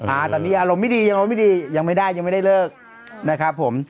อ่าตอนนี้อารมณ์ไม่ดียังอารมณ์ไม่ดียังไม่ได้ยังไม่ได้เลิกนะครับผม